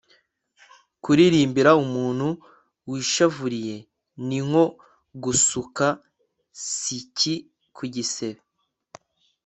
kuririmbira umuntu wishavuriye ni nko gusuka siki ku gisebe